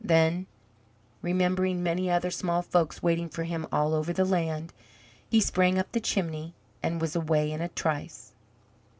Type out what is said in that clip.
Then, remembering many other small folks waiting for him all over the land, he sprang up the chimney and was away in a trice.